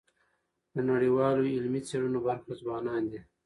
د نړیوالو علمي څيړنو برخه ځوانان دي.